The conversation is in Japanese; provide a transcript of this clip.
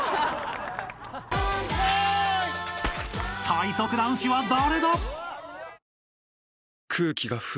［最速男子は誰だ？］